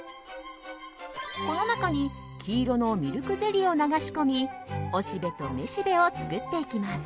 この中に黄色のミルクゼリーを流し込みおしべとめしべを作っていきます。